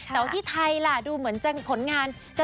แต่ว่าที่ไทยล่ะดูเหมือนจะผลงาน